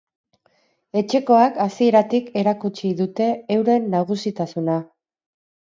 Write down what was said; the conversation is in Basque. Etxekoak hasieratik erakutsi dute euren nagusitasuna.